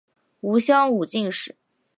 吴襄武进士。